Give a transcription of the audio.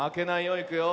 いくよ。